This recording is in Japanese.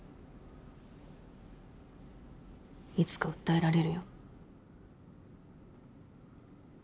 いつか訴えられるよ。